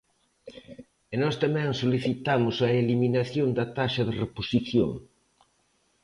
E nós tamén solicitamos a eliminación da taxa de reposición.